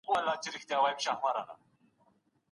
ایا ډېر لوړ ږغ به پاڼه ړنګه کړي؟